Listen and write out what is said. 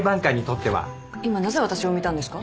今なぜ私を見たんですか？